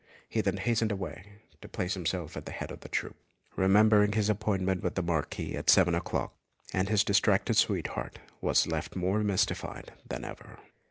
He then hastened away to place himself at the head of the troop, remembering his appointment with the Marquis at seven o'clock; and his distracted sweetheart was left more mystified than ever.